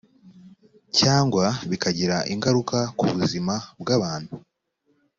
cyangwa bikagira ingaruka ku buzima bw abantu